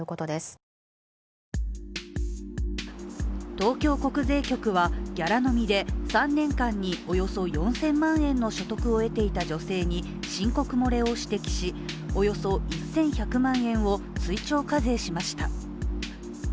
東京国税局はギャラ飲みで３年間におよそ４０００万円の所得を得ていた女性に申告漏れを指摘しおよそ１１００万円を追徴課税しました。